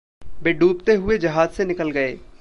वे डूबते हुए जहाज़ से निकल गए।